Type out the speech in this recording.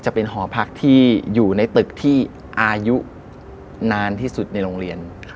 จะเป็นหอพักที่อยู่ในตึกที่อายุนานที่สุดในโรงเรียน